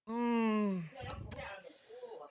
อืม